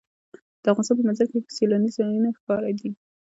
د افغانستان په منظره کې سیلاني ځایونه ښکاره دي.